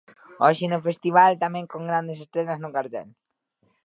Hoxe no festival tamén con grandes estrelas no cartel.